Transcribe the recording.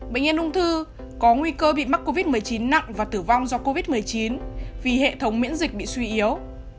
bệnh nhân ung thư có nguy cơ bị mắc covid một mươi chín nặng và tử vong do covid một mươi chín vì hệ thống miễn dịch bị suy yếu